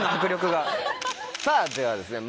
さぁではですね